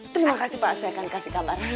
terima kasih pak saya akan kasih kabar